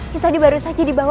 kita baru saja dibawa